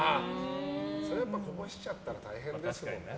それはこぼしちゃったら大変ですからね。